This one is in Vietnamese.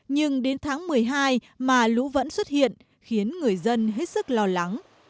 nhưng đến tháng một mươi hai mà lũ vẫn xuất hiện khiến người dân hết sức lo lắng